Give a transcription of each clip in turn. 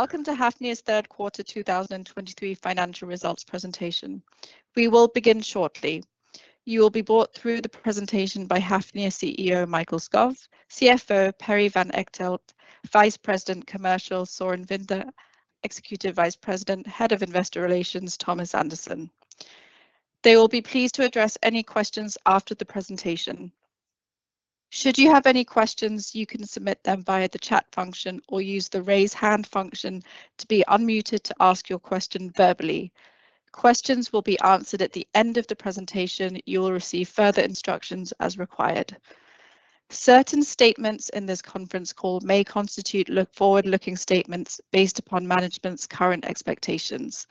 Welcome to Hafnia's third quarter 2023 financial results presentation. We will begin shortly. You will be brought through the presentation by Hafnia CEO, Mikael Skov, CFO, Perry van Echtelt, Vice President Commercial, Søren Winther, Executive Vice President, Head of Investor Relations, Thomas Andersen. They will be pleased to address any questions after the presentation. Should you have any questions, you can submit them via the chat function or use the raise hand function to be unmuted to ask your question verbally. Questions will be answered at the end of the presentation. You will receive further instructions as required. Certain statements in this conference call may constitute forward-looking statements based upon management's current expectations,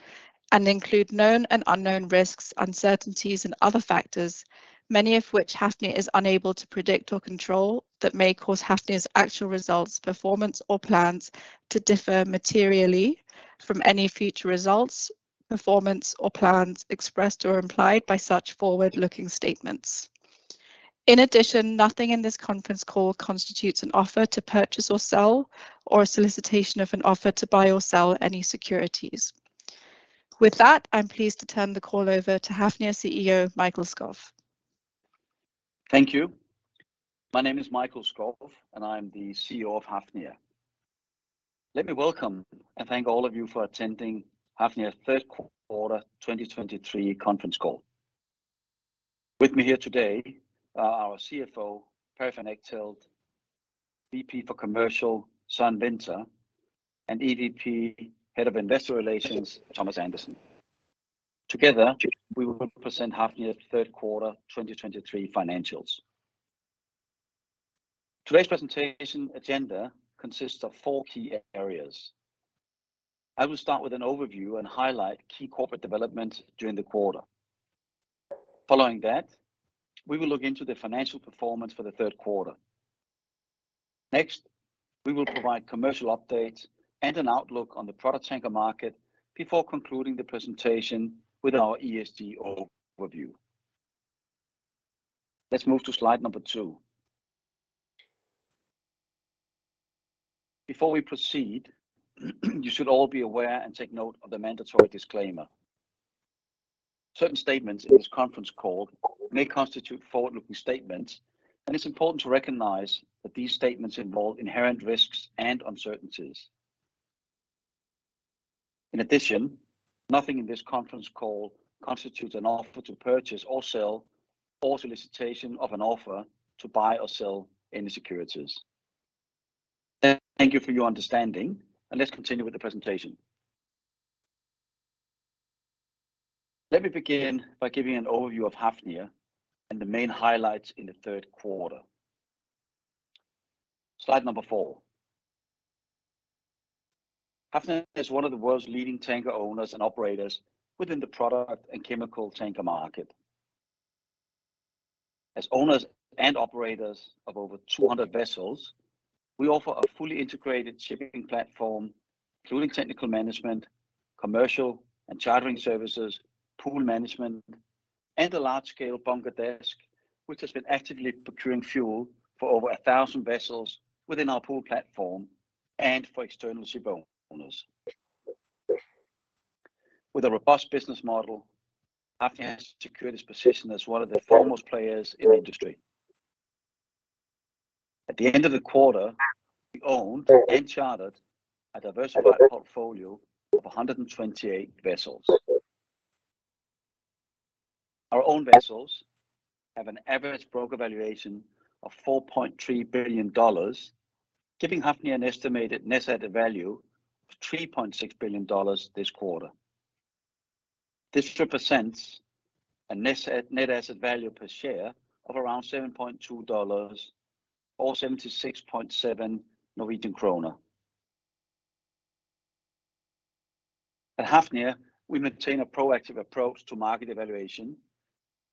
and include known and unknown risks, uncertainties, and other factors, many of which Hafnia is unable to predict or control, that may cause Hafnia's actual results, performance, or plans to differ materially from any future results, performance, or plans expressed or implied by such forward-looking statements. In addition, nothing in this conference call constitutes an offer to purchase or sell, or a solicitation of an offer to buy or sell any securities. With that, I'm pleased to turn the call over to Hafnia CEO, Mikael Skov. Thank you. My name is Mikael Skov, and I'm the CEO of Hafnia. Let me welcome and thank all of you for attending Hafnia's third quarter 2023 conference call. With me here today, our CFO, Perry van Echtelt, VP Commercial, Søren Winther, and EVP, Head of Investor Relations, Thomas Andersen. Together, we will present Hafnia's third quarter 2023 financials. Today's presentation agenda consists of four key areas. I will start with an overview and highlight key corporate developments during the quarter. Following that, we will look into the financial performance for the third quarter. Next, we will provide commercial updates and an outlook on the product tanker market before concluding the presentation with our ESG overview. Let's move to slide number two. Before we proceed, you should all be aware and take note of the mandatory disclaimer. Certain statements in this conference call may constitute forward-looking statements, and it's important to recognize that these statements involve inherent risks and uncertainties. In addition, nothing in this conference call constitutes an offer to purchase or sell, or solicitation of an offer to buy or sell any securities. Thank you for your understanding, and let's continue with the presentation. Let me begin by giving an overview of Hafnia and the main highlights in the third quarter. Slide number four. Hafnia is one of the world's leading tanker owners and operators within the product and chemical tanker market. As owners and operators of over 200 vessels, we offer a fully integrated shipping platform, including technical management, commercial and chartering services, pool management, and a large-scale bunker desk, which has been actively procuring fuel for over 1,000 vessels within our pool platform and for external shipowners. With a robust business model, Hafnia has secured its position as one of the foremost players in the industry. At the end of the quarter, we owned and chartered a diversified portfolio of 128 vessels. Our own vessels have an average broker valuation of $4.3 billion, giving Hafnia an estimated net asset value of $3.6 billion this quarter. This represents a net asset value per share of around $7.2, or NOK 76.7. At Hafnia, we maintain a proactive approach to market evaluation,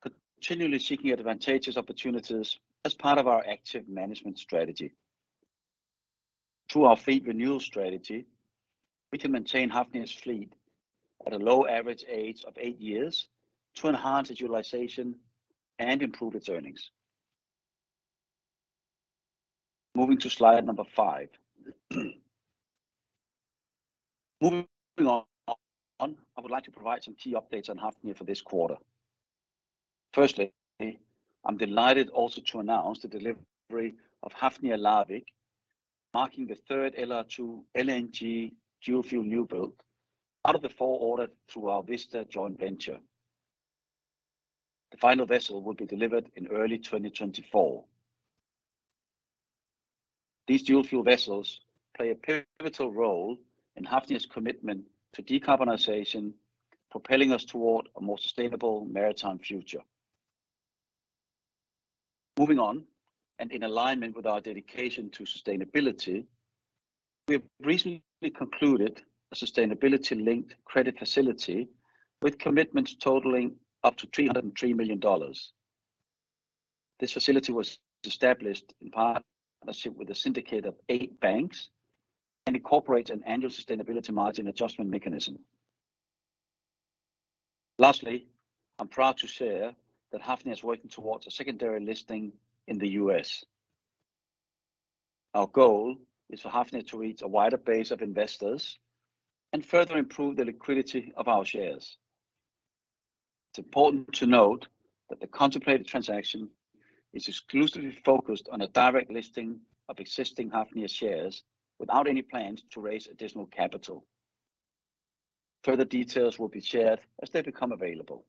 continually seeking advantageous opportunities as part of our active management strategy. Through our fleet renewal strategy, we can maintain Hafnia's fleet at a low average age of eight years to enhance its utilization and improve its earnings. Moving to slide number five. Moving on, I would like to provide some key updates on Hafnia for this quarter. Firstly, I'm delighted also to announce the delivery of Hafnia Larvik, marking the third LR2 LNG dual-fuel newbuild out of the four ordered through our Vista joint venture. The final vessel will be delivered in early 2024. These dual-fuel vessels play a pivotal role in Hafnia's commitment to decarbonization, propelling us toward a more sustainable maritime future. Moving on, and in alignment with our dedication to sustainability, we have recently concluded a sustainability-linked credit facility with commitments totaling up to $303 million. This facility was established in partnership with a syndicate of eight banks and incorporates an annual sustainability margin adjustment mechanism. Lastly, I'm proud to share that Hafnia is working towards a secondary listing in the U.S. Our goal is for Hafnia to reach a wider base of investors and further improve the liquidity of our shares. It's important to note that the contemplated transaction is exclusively focused on a direct listing of existing Hafnia shares without any plans to raise additional capital. Further details will be shared as they become available.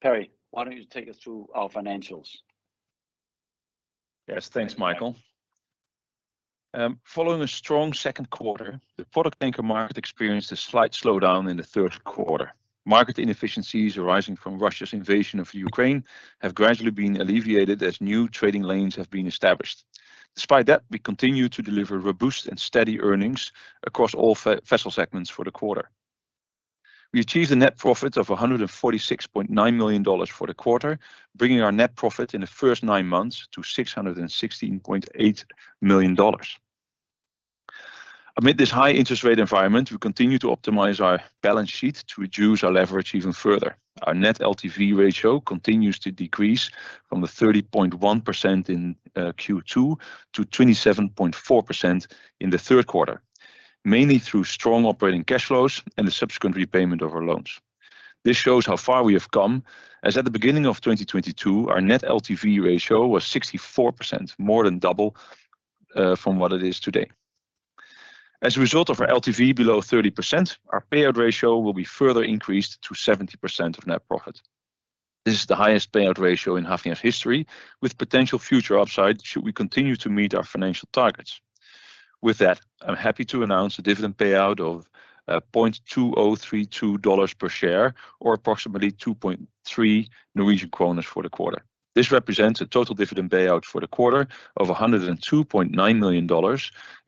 Perry, why don't you take us through our financials? Yes, thanks, Mikael. Following a strong second quarter, the product tanker market experienced a slight slowdown in the third quarter. Market inefficiencies arising from Russia's invasion of Ukraine have gradually been alleviated as new trading lanes have been eMikaelstablished. Despite that, we continue to deliver robust and steady earnings across all vessel segments for the quarter. We achieved a net profit of $146.9 million for the quarter, bringing our net profit in the first nine months to $616.8 million. Amid this high interest rate environment, we continue to optimize our balance sheet to reduce our leverage even further. Our net LTV ratio continues to decrease from the 30.1% in Q2 to 27.4% in the third quarter, mainly through strong operating cash flows and the subsequent repayment of our loans. This shows how far we have come, as at the beginning of 2022, our net LTV ratio was 64%, more than double from what it is today. As a result of our LTV below 30%, our payout ratio will be further increased to 70% of net profit. This is the highest payout ratio in Hafnia's history, with potential future upside should we continue to meet our financial targets. With that, I'm happy to announce a dividend payout of $0.2032 per share or approximately 2.3 Norwegian kroner for the quarter. This represents a total dividend payout for the quarter of $102.9 million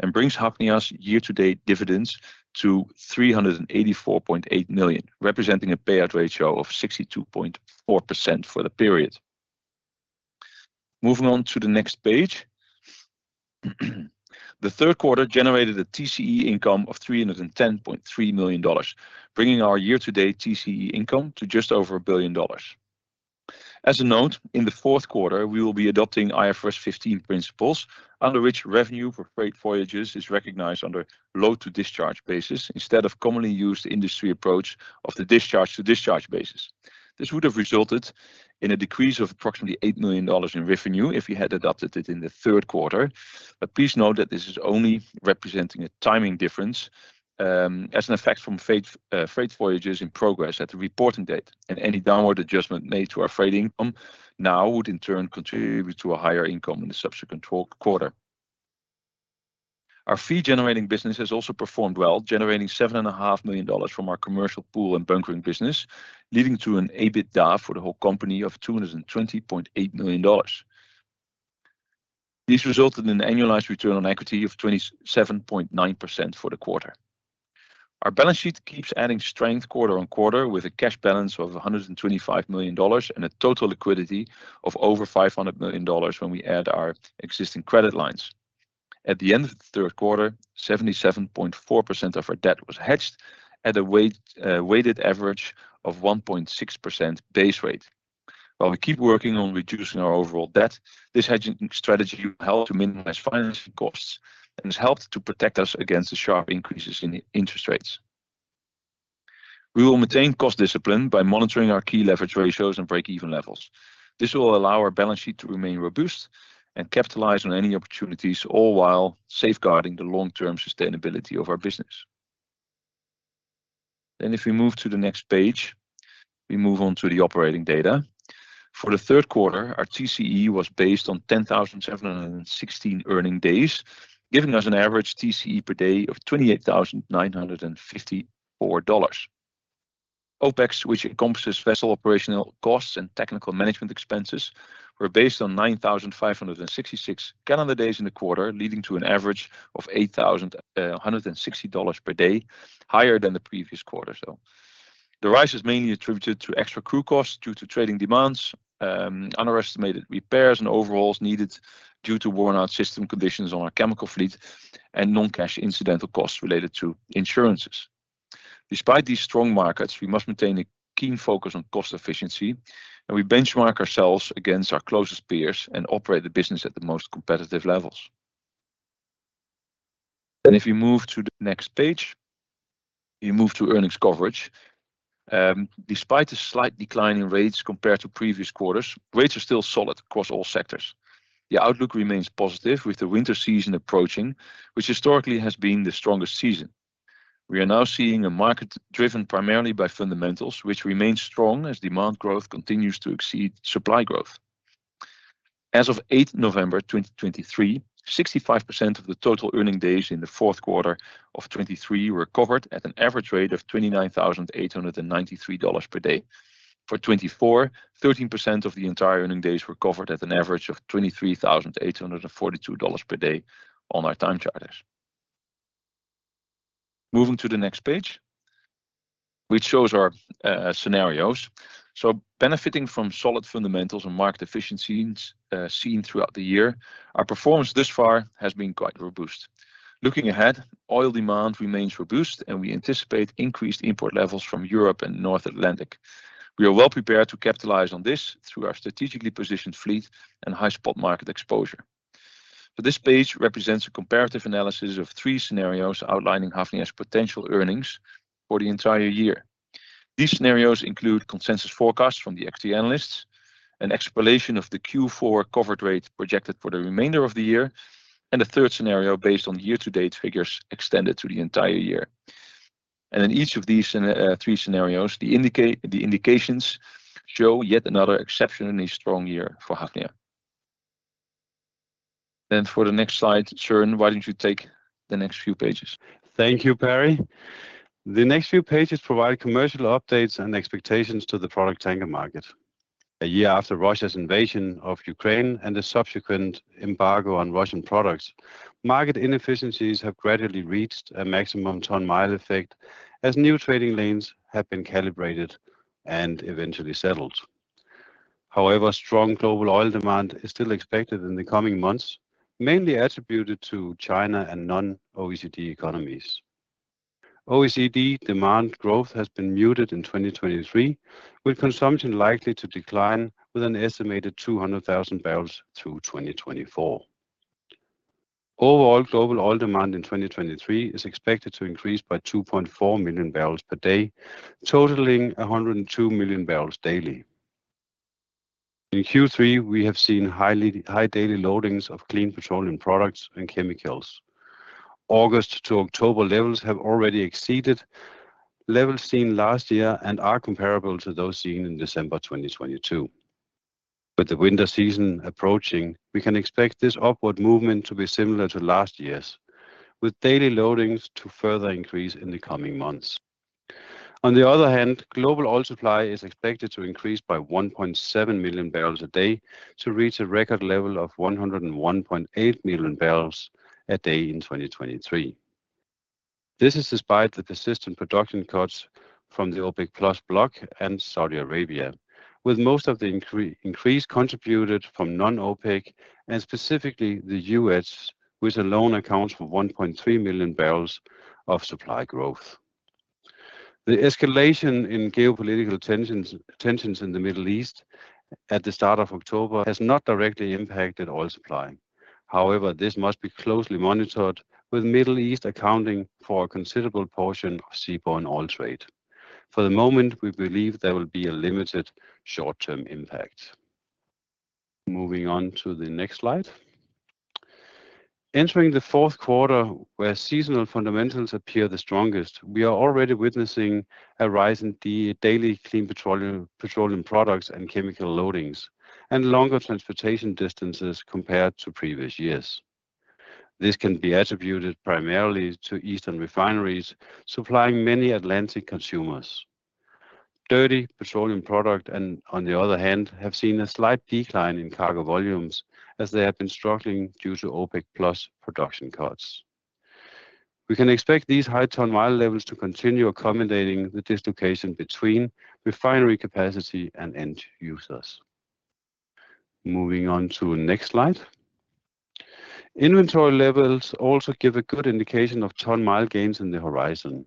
and brings Hafnia's year-to-date dividends to $384.8 million, representing a payout ratio of 62.4% for the period. Moving on to the next page. The third quarter generated a TCE income of $310.3 million, bringing our year-to-date TCE income to just over $1 billion. As a note, in the fourth quarter, we will be adopting IFRS 15 principles, under which revenue for freight voyages is recognized under load-to-discharge basis, instead of commonly used industry approach of the discharge-to-discharge basis. This would have resulted in a decrease of approximately $8 million in revenue if we had adopted it in the third quarter. But please note that this is only representing a timing difference, as an effect from freight, freight voyages in progress at the reporting date, and any downward adjustment made to our freight income now would in turn contribute to a higher income in the subsequent quarter. Our fee-generating business has also performed well, generating $7.5 million from our commercial pool and bunkering business, leading to an EBITDA for the whole company of $220.8 million. This resulted in an annualized return on equity of 27.9% for the quarter. Our balance sheet keeps adding strength quarter-on-quarter, with a cash balance of $125 million and a total liquidity of over $500 million when we add our existing credit lines. At the end of the third quarter, 77.4% of our debt was hedged at a weighted average of 1.6% base rate. While we keep working on reducing our overall debt, this hedging strategy will help to minimize financing costs and has helped to protect us against the sharp increases in interest rates. We will maintain cost discipline by monitoring our key leverage ratios and break-even levels. This will allow our balance sheet to remain robust and capitalize on any opportunities, all while safeguarding the long-term sustainability of our business. Then if we move to the next page, we move on to the operating data. For the third quarter, our TCE was based on 10,716 earning days, giving us an average TCE per day of $28,954. OPEX, which encompasses vessel operational costs and technical management expenses, were based on 9,566 calendar days in the quarter, leading to an average of $8,160 per day, higher than the previous quarter. The rise is mainly attributed to extra crew costs due to trading demands, underestimated repairs and overhauls needed due to worn-out system conditions on our chemical fleet, and non-cash incidental costs related to insurances. Despite these strong markets, we must maintain a keen focus on cost efficiency, and we benchmark ourselves against our closest peers and operate the business at the most competitive levels. If you move to the next page, you move to earnings coverage. Despite a slight decline in rates compared to previous quarters, rates are still solid across all sectors. The outlook remains positive with the winter season approaching, which historically has been the strongest season. We are now seeing a market driven primarily by fundamentals, which remain strong as demand growth continues to exceed supply growth. As of 8th November 2023, 65% of the total earning days in the fourth quarter of 2023 were covered at an average rate of $29,893 per day. For 2024, 13% of the entire earning days were covered at an average of $23,842 per day on our time charters. Moving to the next page, which shows our scenarios. So benefiting from solid fundamentals and market efficiencies seen throughout the year, our performance thus far has been quite robust.... Looking ahead, oil demand remains robust, and we anticipate increased import levels from Europe and North Atlantic. We are well prepared to capitalize on this through our strategically positioned fleet and high spot market exposure. So this page represents a comparative analysis of three scenarios outlining Hafnia's potential earnings for the entire year. These scenarios include consensus forecasts from the equity analysts, an explanation of the Q4 covered rate projected for the remainder of the year, and a third scenario based on year-to-date figures extended to the entire year. In each of these three scenarios, the indications show yet another exceptionally strong year for Hafnia. For the next slide, Søren, why don't you take the next few pages? Thank you, Perry. The next few pages provide commercial updates and expectations to the product tanker market. A year after Russia's invasion of Ukraine and the subsequent embargo on Russian products, market inefficiencies have gradually reached a maximum ton mile effect as new trading lanes have been calibrated and eventually settled. However, strong global oil demand is still expected in the coming months, mainly attributed to China and non-OECD economies. OECD demand growth has been muted in 2023, with consumption likely to decline with an estimated 200,000 barrels through 2024. Overall, global oil demand in 2023 is expected to increase by 2.4 million barrels per day, totaling 102 million barrels daily. In Q3, we have seen high daily loadings of clean petroleum products and chemicals. August to October levels have already exceeded levels seen last year and are comparable to those seen in December 2022. With the winter season approaching, we can expect this upward movement to be similar to last year's, with daily loadings to further increase in the coming months. On the other hand, global oil supply is expected to increase by 1.7 million barrels a day to reach a record level of 101.8 million barrels a day in 2023. This is despite the persistent production cuts from the OPEC bloc and Saudi Arabia, with most of the increase contributed from non-OPEC and specifically the U.S., which alone accounts for 1.3 million barrels of supply growth. The escalation in geopolitical tensions in the Middle East at the start of October has not directly impacted oil supply. However, this must be closely monitored, with Middle East accounting for a considerable portion of seaborne oil trade. For the moment, we believe there will be a limited short-term impact. Moving on to the next slide. Entering the fourth quarter, where seasonal fundamentals appear the strongest, we are already witnessing a rise in the daily clean petroleum products and chemical loadings and longer transportation distances compared to previous years. This can be attributed primarily to Eastern refineries supplying many Atlantic consumers. Dirty petroleum products, on the other hand, have seen a slight decline in cargo volumes as they have been struggling due to OPEC Plus production cuts. We can expect these high ton mile levels to continue accommodating the dislocation between refinery capacity and end users. Moving on to the next slide. Inventory levels also give a good indication of ton mile gains on the horizon.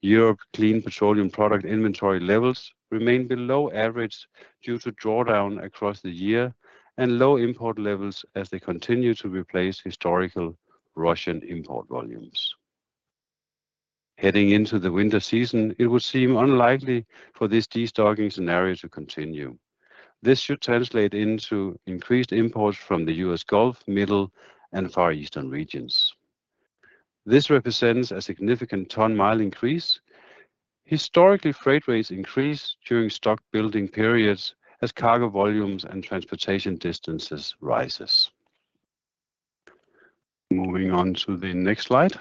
Europe clean petroleum product inventory levels remain below average due to drawdown across the year and low import levels as they continue to replace historical Russian import volumes. Heading into the winter season, it would seem unlikely for this destocking scenario to continue. This should translate into increased imports from the U.S. Gulf, Middle and Far Eastern regions. This represents a significant ton mile increase. Historically, freight rates increase during stock building periods as cargo volumes and transportation distances rises. Moving on to the next slide.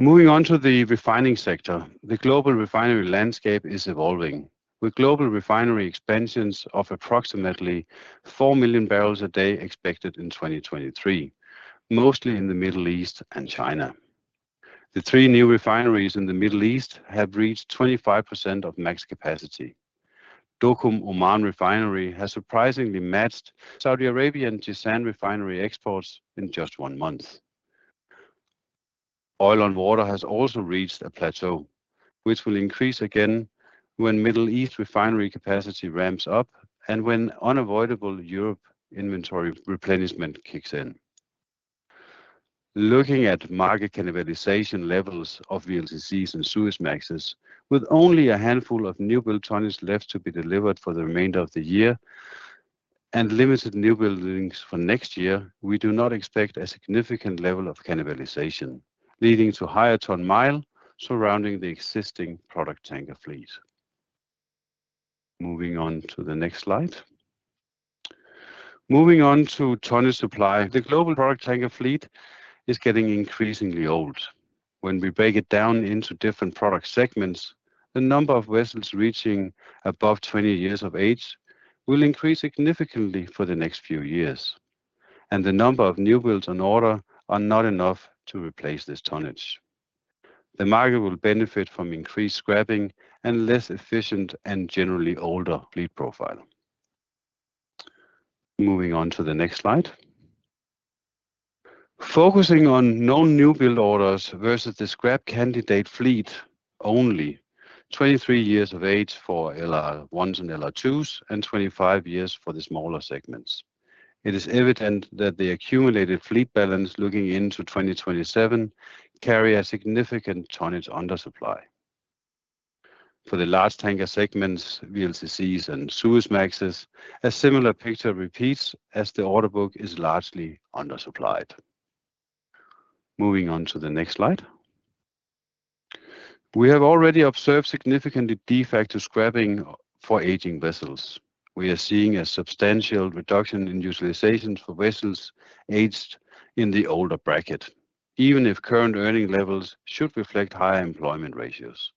Moving on to the refining sector, the global refinery landscape is evolving, with global refinery expansions of approximately four million barrels a day expected in 2023, mostly in the Middle East and China. The three new refineries in the Middle East have reached 25% of max capacity. Duqm Oman Refinery has surprisingly matched Saudi Arabian Jazan Refinery exports in just one month. Oil on water has also reached a plateau, which will increase again when Middle East refinery capacity ramps up and when unavoidable Europe inventory replenishment kicks in. Looking at market cannibalization levels of VLCCs and Suezmaxes, with only a handful of newbuild tonnage left to be delivered for the remainder of the year and limited newbuildings for next year, we do not expect a significant level of cannibalization, leading to higher ton-mile surrounding the existing product tanker fleet. Moving on to the next slide. Moving on to tonnage supply, the global product tanker fleet is getting increasingly old. When we break it down into different product segments, the number of vessels reaching above 20 years of age will increase significantly for the next few years, and the number of newbuilds on order are not enough to replace this tonnage.... The market will benefit from increased scrapping and less efficient and generally older fleet profile. Moving on to the next slide. Focusing on known newbuild orders versus the scrap candidate fleet, only 23 years of age for LR1s and LR2s, and 25 years for the smaller segments. It is evident that the accumulated fleet balance looking into 2027 carry a significant tonnage undersupply. For the large tanker segments, VLCCs and Suezmaxes, a similar picture repeats as the order book is largely undersupplied. Moving on to the next slide. We have already observed significantly de facto scrapping for aging vessels. We are seeing a substantial reduction in utilization for vessels aged in the older bracket, even if current earning levels should reflect higher employment ratios.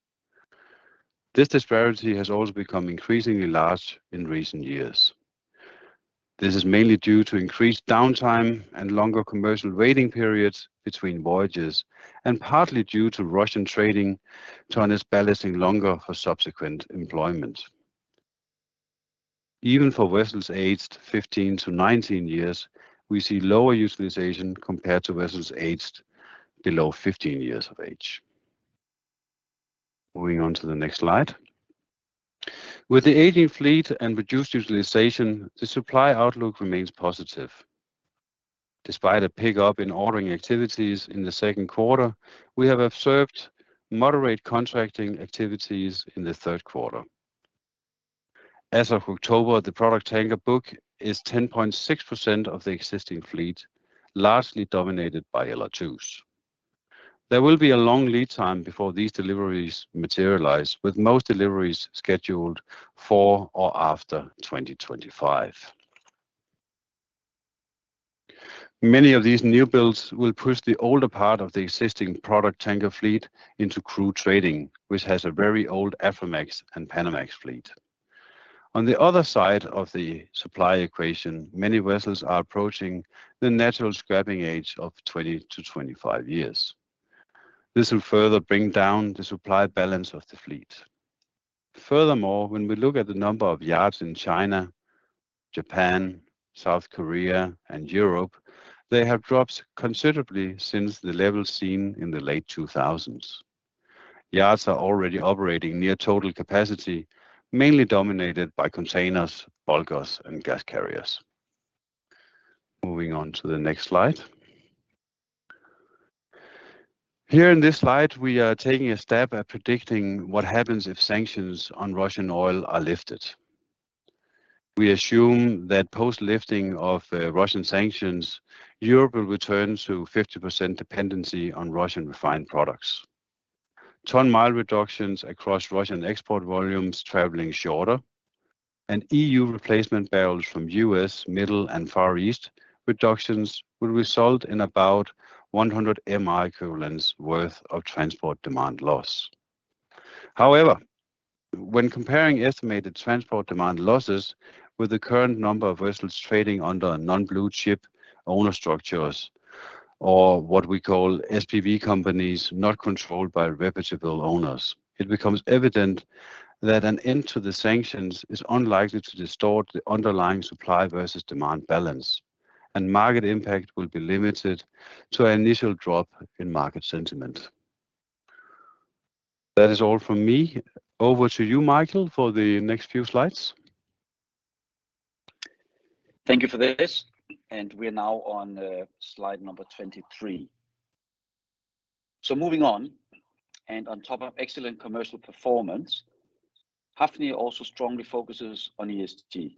This disparity has also become increasingly large in recent years. This is mainly due to increased downtime and longer commercial waiting periods between voyages, and partly due to Russian trading tonnages ballasting longer for subsequent employment. Even for vessels aged 15 years-19 years, we see lower utilization compared to vessels aged below 15 years of age. Moving on to the next slide. With the aging fleet and reduced utilization, the supply outlook remains positive. Despite a pick-up in ordering activities in the second quarter, we have observed moderate contracting activities in the third quarter. As of October, the product tanker book is 10.6% of the existing fleet, largely dominated by LR2s. There will be a long lead time before these deliveries materialize, with most deliveries scheduled for or after 2025. Many of these new builds will push the older part of the existing product tanker fleet into crude trading, which has a very old Aframax and Panamax fleet. On the other side of the supply equation, many vessels are approaching the natural scrapping age of 20 years-25 years. This will further bring down the supply balance of the fleet. Furthermore, when we look at the number of yards in China, Japan, South Korea, and Europe, they have dropped considerably since the levels seen in the late 2000s. Yards are already operating near total capacity, mainly dominated by containers, bulkers, and gas carriers. Moving on to the next slide. Here in this slide, we are taking a stab at predicting what happens if sanctions on Russian oil are lifted. We assume that post lifting of Russian sanctions, Europe will return to 50% dependency on Russian refined products. Ton-mile reductions across Russian export volumes traveling shorter and E.U. replacement barrels from U.S., Middle and Far East reductions will result in about 100 MR equivalents worth of transport demand loss. However, when comparing estimated transport demand losses with the current number of vessels trading under a non-blue chip owner structures, or what we call SPV companies, not controlled by reputable owners, it becomes evident that an end to the sanctions is unlikely to distort the underlying supply versus demand balance, and market impact will be limited to an initial drop in market sentiment. That is all from me. Over to you, Mikael, for the next few slides. Thank you for this, and we are now on slide number 23. So moving on, and on top of excellent commercial performance, Hafnia also strongly focuses on ESG.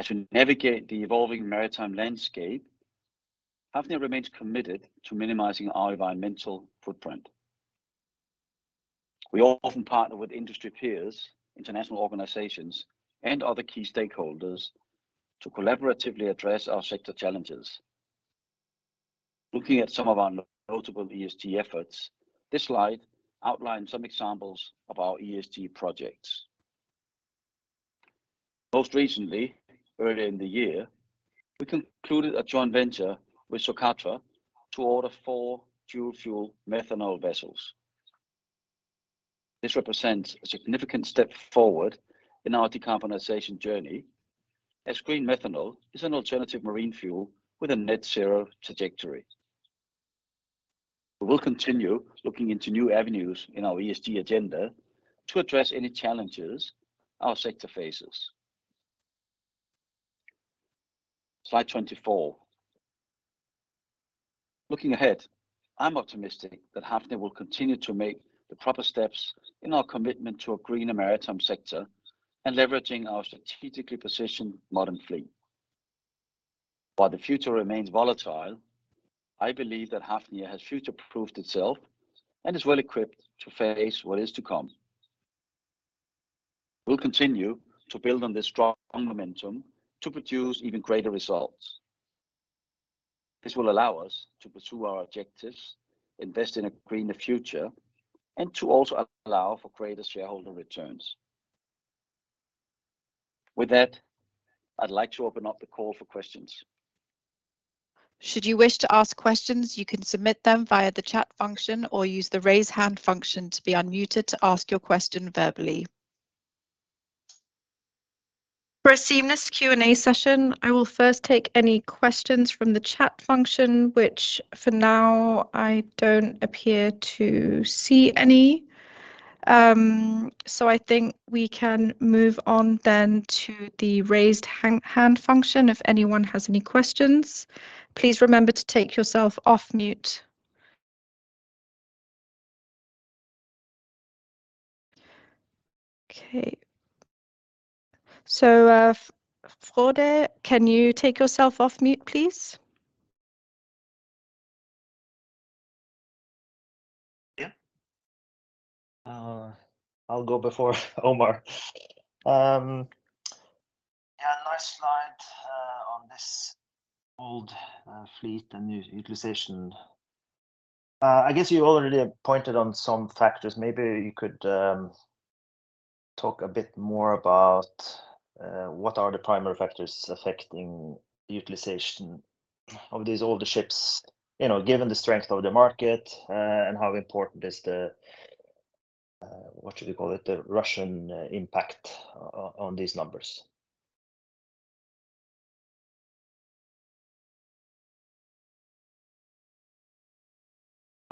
As we navigate the evolving maritime landscape, Hafnia remains committed to minimizing our environmental footprint. We often partner with industry peers, international organizations, and other key stakeholders to collaboratively address our sector challenges. Looking at some of our notable ESG efforts, this slide outlines some examples of our ESG projects. Most recently, earlier in the year, we concluded a joint venture with Socatra to order four dual-fuel methanol vessels. This represents a significant step forward in our decarbonization journey as green methanol is an alternative marine fuel with a net zero trajectory. We will continue looking into new avenues in our ESG agenda to address any challenges our sector faces. Slide 24. Looking ahead, I'm optimistic that Hafnia will continue to make the proper steps in our commitment to a greener maritime sector and leveraging our strategically positioned modern fleet. While the future remains volatile, I believe that Hafnia has future-proofed itself and is well-equipped to face what is to come. We'll continue to build on this strong momentum to produce even greater results. This will allow us to pursue our objectives, invest in a greener future, and to also allow for greater shareholder returns.... With that, I'd like to open up the call for questions. Should you wish to ask questions, you can submit them via the chat function, or use the raise hand function to be unmuted to ask your question verbally. For a seamless Q&A session, I will first take any questions from the chat function, which for now, I don't appear to see any. I think we can move on to the raised hand function, if anyone has any questions, please remember to take yourself off mute. Okay. So, Frode, can you take yourself off mute, please? Yeah. I'll go before Omar. Yeah, nice slide on this old fleet and utilization. I guess you already have pointed on some factors. Maybe you could talk a bit more about what are the primary factors affecting utilization of these older ships, you know, given the strength of the market, and how important is the what should we call it, the Russian impact on these numbers?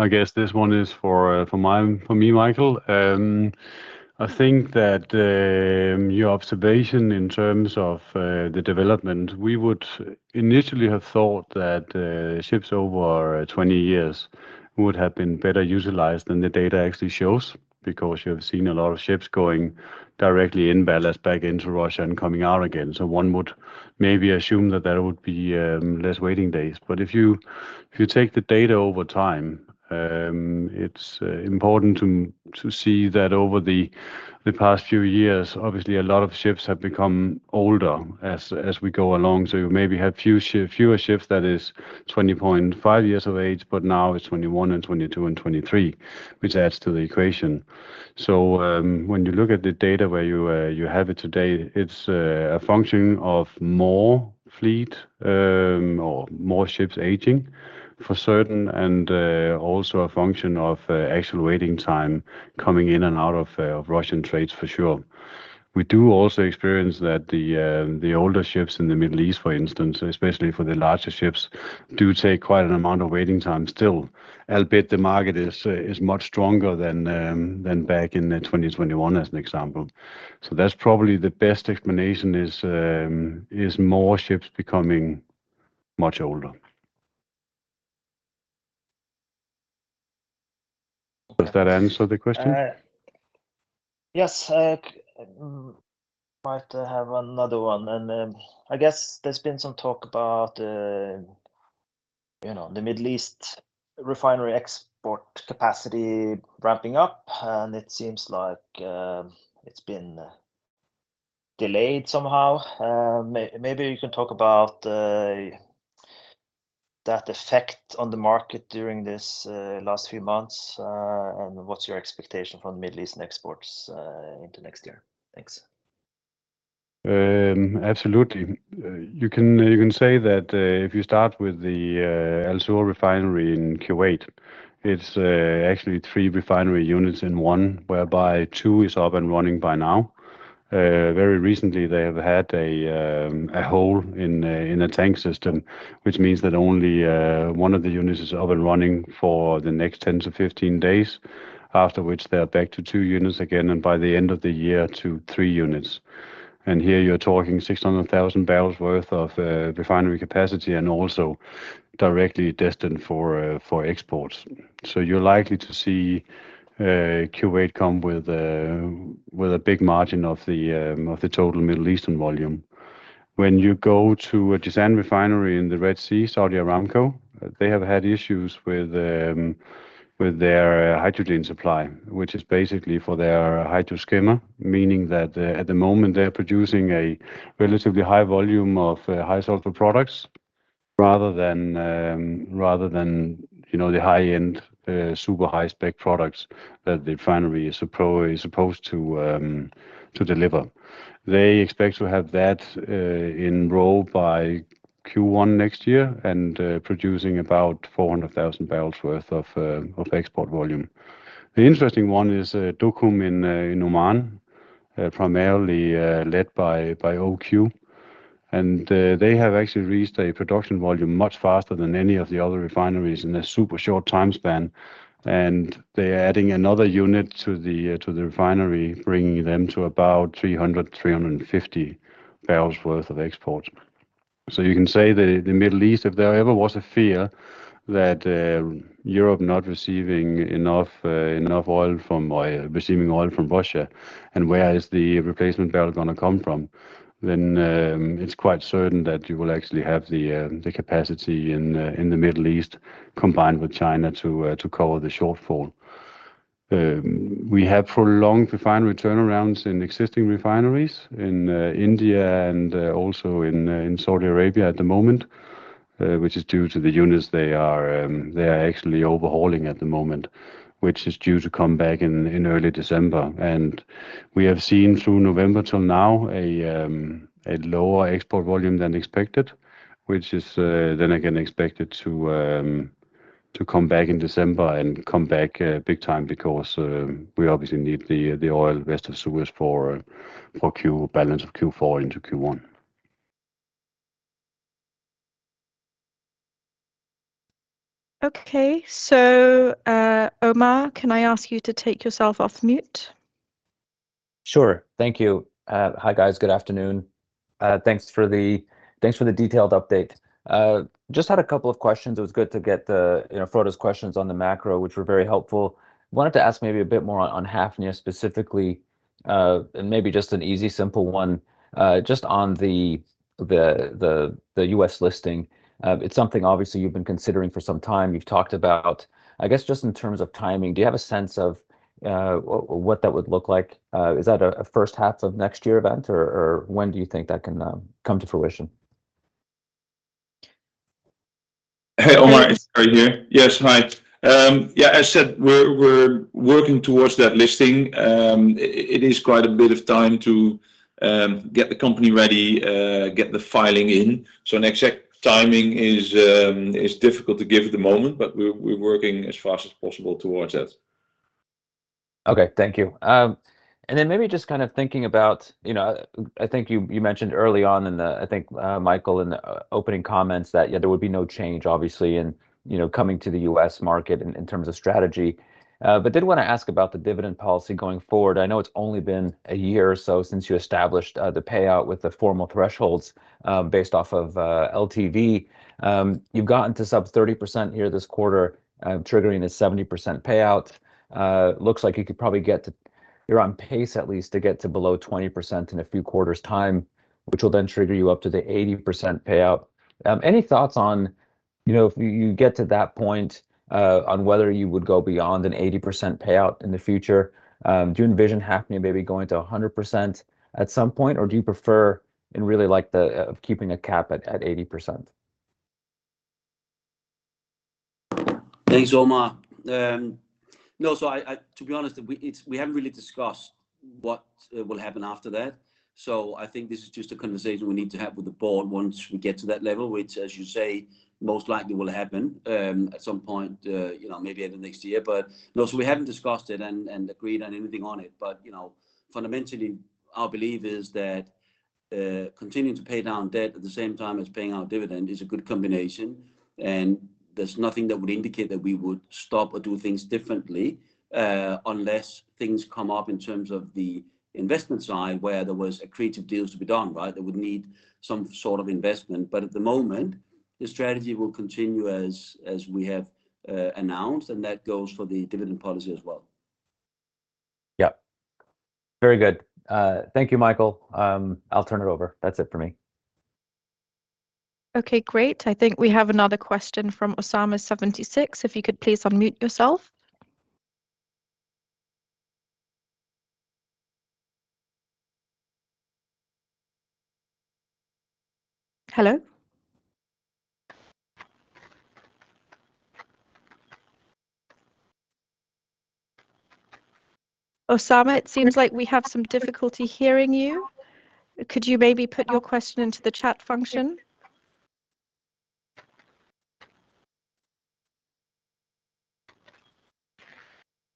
I guess this one is for me, Mikael. I think that your observation in terms of the development, we would initially have thought that ships over 20 years would have been better utilized than the data actually shows, because you've seen a lot of ships going directly in ballast back into Russia and coming out again. So one would maybe assume that there would be less waiting days. But if you take the data over time, it's important to see that over the past few years, obviously, a lot of ships have become older as we go along. So you maybe had fewer ships that is 20.5 years of age, but now it's 21 years and 22 years and 23 years, which adds to the equation. So, when you look at the data where you, you have it today, it's, a function of more fleet, or more ships aging for certain, and, also a function of, actual waiting time coming in and out of, of Russian trades for sure. We do also experience that the, the older ships in the Middle East, for instance, especially for the larger ships, do take quite an amount of waiting time still, albeit the market is, is much stronger than, than back in 2021, as an example. So that's probably the best explanation, is, is more ships becoming much older. Does that answer the question? Yes, might have another one. And I guess there's been some talk about, you know, the Middle East refinery export capacity ramping up, and it seems like it's been delayed somehow. Maybe you can talk about that effect on the market during this last few months, and what's your expectation from the Middle Eastern exports into next year? Thanks. Absolutely. You can, you can say that if you start with the Al Zour Refinery in Kuwait, it's actually three refinery units in one, whereby two is up and running by now. Very recently, they have had a hole in a tank system, which means that only one of the units is up and running for the next 10 days-15 days, after which they are back to two units again, and by the end of the year, to three units. And here, you're talking 600,000 barrels worth of refinery capacity and also directly destined for exports. So you're likely to see Kuwait come with a big margin of the total Middle Eastern volume. When you go to a Jazan refinery in the Red Sea, Saudi Aramco, they have had issues with their hydrogen supply, which is basically for their hydrocracker, meaning that at the moment, they're producing a relatively high volume of high sulfur products, rather than, rather than, you know, the high-end super high-spec products that the refinery is supposed to deliver. They expect to have that in roll by Q1 next year, and producing about 400,000 barrels worth of export volume. The interesting one is Duqm in Oman, primarily led by OQ, and they have actually reached a production volume much faster than any of the other refineries in a super short time span. They are adding another unit to the refinery, bringing them to about 300 barrels-350 barrels worth of exports. So you can say that the Middle East, if there ever was a fear that Europe not receiving enough oil from or receiving oil from Russia, and where is the replacement barrel gonna come from, then it's quite certain that you will actually have the capacity in the Middle East, combined with China, to cover the shortfall. We have prolonged refinery turnarounds in existing refineries in India and also in Saudi Arabia at the moment, which is due to the units they are actually overhauling at the moment, which is due to come back in early December. We have seen through November till now a lower export volume than expected, which is then again expected to come back in December and come back big time, because we obviously need the oil resets for Suez for Q balance of Q4 into Q1. Okay. So, Omar, can I ask you to take yourself off mute? Sure. Thank you. Hi, guys. Good afternoon. Thanks for the, thanks for the detailed update. Just had a couple of questions. It was good to get the, you know, Frode's questions on the macro, which were very helpful. Wanted to ask maybe a bit more on, on Hafnia specifically, and maybe just an easy, simple one. Just on the US listing. It's something obviously you've been considering for some time, you've talked about. I guess just in terms of timing, do you have a sense of what that would look like? Is that a first half of next year event, or when do you think that can come to fruition? Hey, Omar, it's Perry here. Yes, hi. Yeah, as said, we're working towards that listing. It is quite a bit of time to get the company ready, get the filing in. So an exact timing is difficult to give at the moment, but we're working as fast as possible towards that. Okay. Thank you. And then maybe just kind of thinking about, you know, I think you mentioned early on in the, I think, Mikael, in the opening comments, that, yeah, there would be no change, obviously, in, you know, coming to the U.S. market in terms of strategy. But did wanna ask about the dividend policy going forward. I know it's only been a year or so since you established the payout with the formal thresholds, based off of LTV. You've gotten to sub 30% here this quarter, triggering a 70% payout. Looks like you could probably get to... You're on pace at least to get to below 20% in a few quarters' time, which will then trigger you up to the 80% payout. Any thoughts on, you know, if you get to that point, on whether you would go beyond an 80% payout in the future? Do you envision happening maybe going to a 100% at some point, or do you prefer and really like the of keeping a cap at 80%? Thanks, Omar. To be honest, we haven't really discussed what will happen after that, so I think this is just a conversation we need to have with the board once we get to that level, which, as you say, most likely will happen at some point, you know, maybe in the next year. But no, so we haven't discussed it and agreed on anything on it. But, you know, fundamentally, our belief is that continuing to pay down debt at the same time as paying our dividend is a good combination, and there's nothing that would indicate that we would stop or do things differently, unless things come up in terms of the investment side, where there was accretive deals to be done, right? That would need some sort of investment. But at the moment, the strategy will continue as we have announced, and that goes for the dividend policy as well. Yeah. Very good. Thank you, Mikael. I'll turn it over. That's it for me. Okay, great. I think we have another question from Osama 76. If you could please unmute yourself. Hello? Osama, it seems like we have some difficulty hearing you. Could you maybe put your question into the chat function?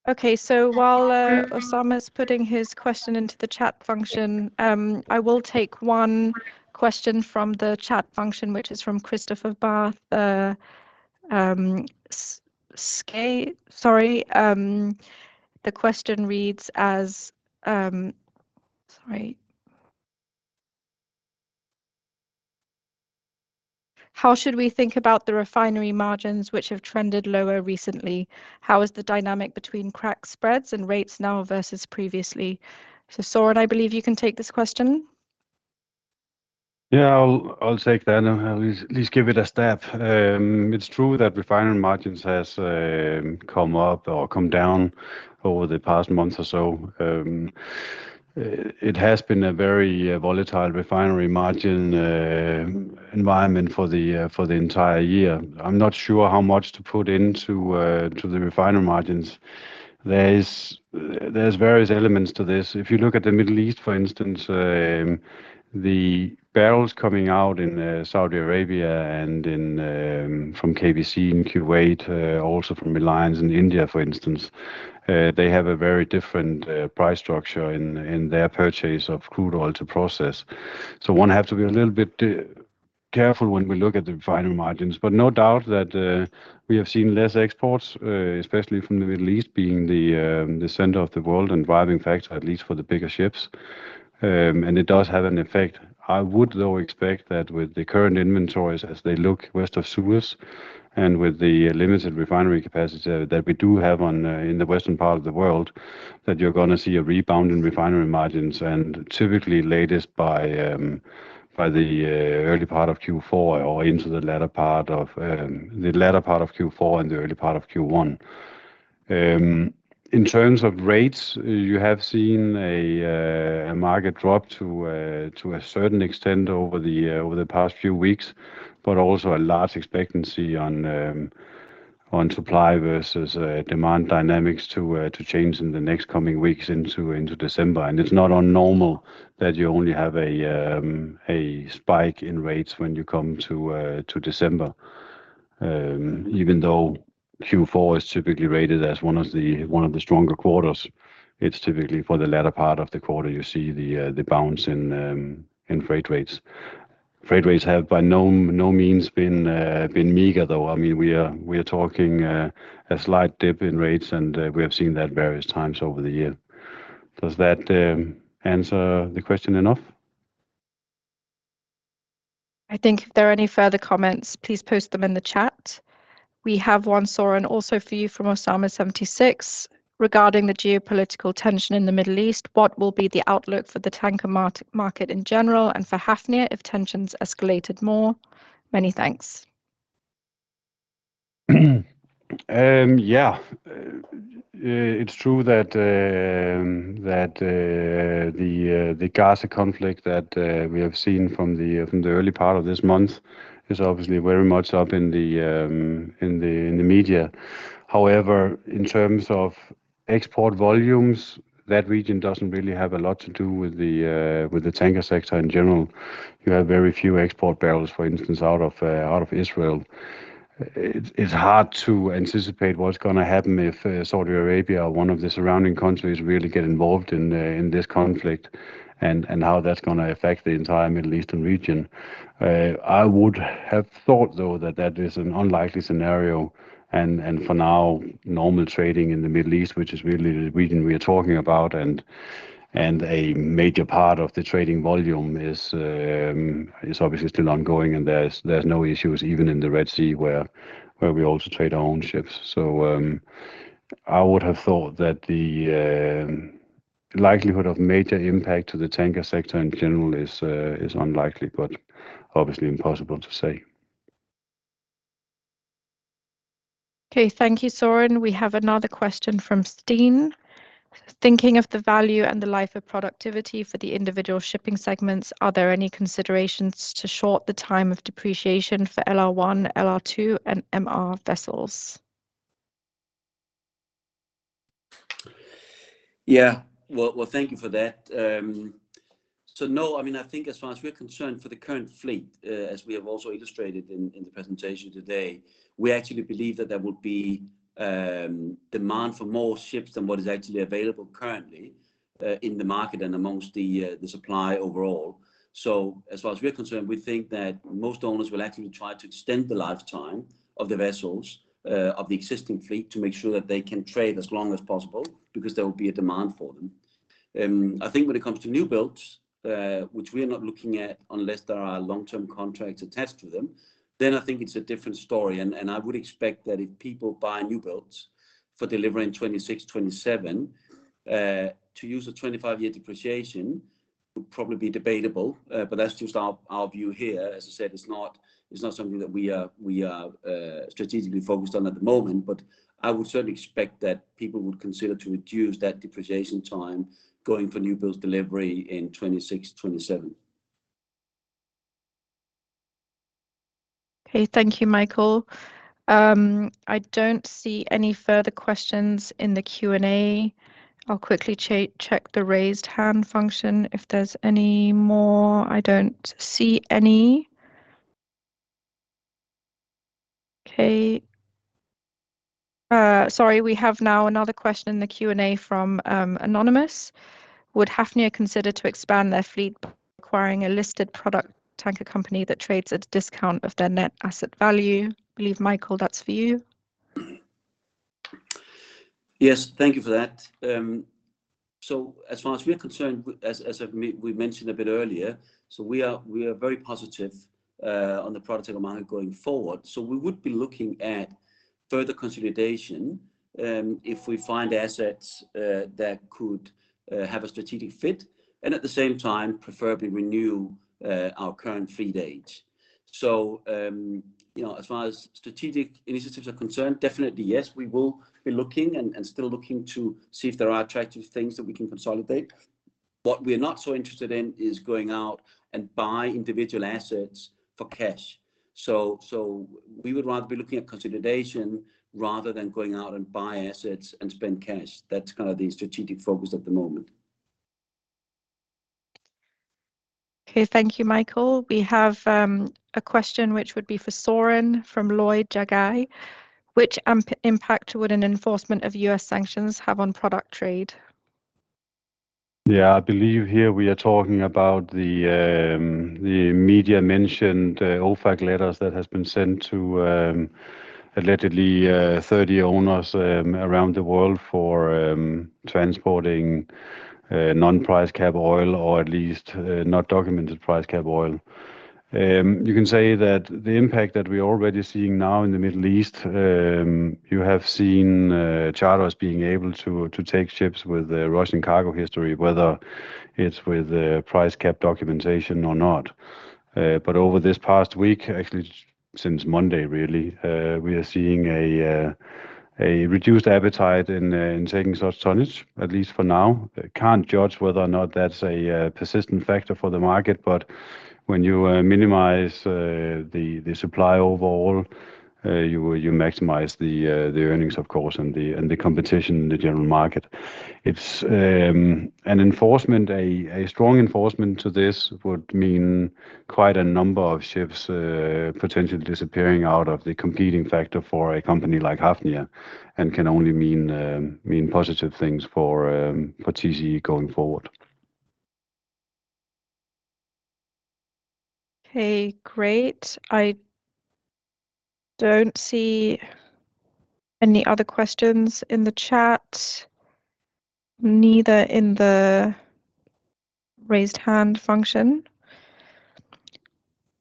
Okay, so while Osama's putting his question into the chat function, I will take one question from the chat function, which is from Kristoffer Skeie, sorry. The question reads as, "How should we think about the refinery margins, which have trended lower recently? How is the dynamic between crack spreads and rates now versus previously?" So, Søren, I believe you can take this question. Yeah, I'll take that. I'll at least give it a stab. It's true that refinery margins has come up or come down over the past month or so. It has been a very volatile refinery margin environment for the entire year. I'm not sure how much to put into to the refinery margins. There's various elements to this. If you look at the Middle East, for instance, the barrels coming out in Saudi Arabia and in from KPC in Kuwait, also from Reliance in India, for instance, they have a very different price structure in their purchase of crude oil to process. So one have to be a little bit careful when we look at the refinery margins. But no doubt that we have seen less exports, especially from the Middle East, being the center of the world and driving factor, at least for the bigger ships. And it does have an effect. I would, though, expect that with the current inventories as they look west of Suez, and with the limited refinery capacity that we do have in the western part of the world, that you're gonna see a rebound in refinery margins, and typically latest by the early part of Q4 or into the latter part of Q4 and the early part of Q1. In terms of rates, you have seen a market drop to a certain extent over the past few weeks, but also a large expectancy on supply versus demand dynamics to change in the next coming weeks into December. And it's not unnormal that you only have a spike in rates when you come to December. Even though Q4 is typically rated as one of the stronger quarters, it's typically for the latter part of the quarter, you see the bounce in freight rates. Freight rates have by no means been meager though. I mean, we are talking a slight dip in rates, and we have seen that various times over the year. Does that answer the question enough? I think if there are any further comments, please post them in the chat. We have one, Søren, also for you from Osama76: "Regarding the geopolitical tension in the Middle East, what will be the outlook for the tanker market in general and for Hafnia if tensions escalated more? Many thanks. Yeah. It's true that the Gaza conflict that we have seen from the early part of this month is obviously very much up in the media. However, in terms of export volumes, that region doesn't really have a lot to do with the tanker sector in general. You have very few export barrels, for instance, out of Israel. It's hard to anticipate what's gonna happen if Saudi Arabia or one of the surrounding countries really get involved in this conflict, and how that's gonna affect the entire Middle East region. I would have thought, though, that that is an unlikely scenario, and for now, normal trading in the Middle East, which is really the region we are talking about, and a major part of the trading volume is obviously still ongoing and there's no issues, even in the Red Sea, where we also trade our own ships. So, I would have thought that the likelihood of major impact to the tanker sector in general is unlikely, but obviously impossible to say. Okay, thank you, Søren. We have another question from Steen: "Thinking of the value and the life of productivity for the individual shipping segments, are there any considerations to short the time of depreciation for LR1, LR2, and MR vessels? Yeah. Well, well, thank you for that. So no, I mean, I think as far as we're concerned, for the current fleet, as we have also illustrated in the presentation today, we actually believe that there would be demand for more ships than what is actually available currently in the market and amongst the supply overall. So as far as we're concerned, we think that most owners will actually try to extend the lifetime of the vessels of the existing fleet, to make sure that they can trade as long as possible, because there will be a demand for them. I think when it comes to newbuilds, which we are not looking at unless there are long-term contracts attached to them, then I think it's a different story. I would expect that if people buy newbuilds for delivery in 2026, 2027, to use a 25-year depreciation would probably be debatable. But that's just our view here. As I said, it's not something that we are strategically focused on at the moment, but I would certainly expect that people would consider to reduce that depreciation time going for newbuilds delivery in 2026, 2027. Okay, thank you, Mikael. I don't see any further questions in the Q&A. I'll quickly check the Raised Hand function if there's any more. I don't see any. Okay. Sorry, we have now another question in the Q&A from Anonymous: "Would Hafnia consider to expand their fleet by acquiring a listed product tanker company that trades at a discount of their net asset value?" I believe, Mikael, that's for you. Yes. Thank you for that. So as far as we're concerned, as we've mentioned a bit earlier, so we are very positive on the product tanker market going forward. So we would be looking at further consolidation if we find assets that could have a strategic fit, and at the same time, preferably renew our current fleet age. So you know, as far as strategic initiatives are concerned, definitely yes, we will be looking and still looking to see if there are attractive things that we can consolidate. What we're not so interested in is going out and buy individual assets for cash. So we would rather be looking at consolidation rather than going out and buy assets and spend cash. That's kind of the strategic focus at the moment. Okay, thank you, Mikael. We have a question which would be for Søren from Lloyd Jagai: "Which impact would an enforcement of U.S. sanctions have on product trade? Yeah. I believe here we are talking about the, the media-mentioned, OFAC letters that has been sent to, allegedly, 30 owners, around the world for, transporting, non-price cap oil, or at least, not documented price cap oil. You can say that the impact that we're already seeing now in the Middle East, you have seen, charters being able to, to take ships with, Russian cargo history, whether it's with, price cap documentation or not. But over this past week, actually, since Monday, really, we are seeing a, a reduced appetite in, in taking such tonnage, at least for now. Can't judge whether or not that's a persistent factor for the market, but when you minimize the supply overall, you maximize the earnings, of course, and the competition in the general market. It's an enforcement, a strong enforcement to this would mean quite a number of ships potentially disappearing out of the competing factor for a company like Hafnia, and can only mean positive things for TCE going forward. Okay, great. I don't see any other questions in the chat, neither in the Raised Hand function.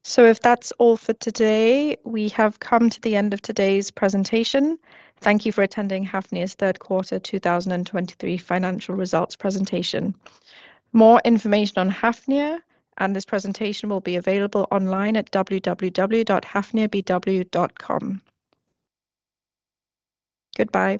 So if that's all for today, we have come to the end of today's presentation. Thank you for attending Hafnia's third quarter 2023 financial results presentation. More information on Hafnia and this presentation will be available online at www.hafniabw.com. Goodbye.